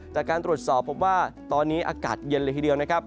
จากการตรวจสอบพบว่าตอนนี้อากาศเย็นเลยทีเดียวนะครับ